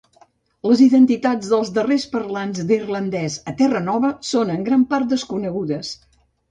Les identitats dels darrers parlants d'irlandès a Terranova són en gran part desconegudes.